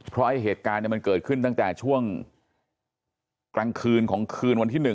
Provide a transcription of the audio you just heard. เพราะไอ้เหตุการณ์มันเกิดขึ้นตั้งแต่ช่วงกลางคืนของคืนวันที่๑